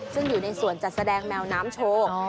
ซึ่งอยู่ในส่วนจัดแสดงแมวน้ำโชว์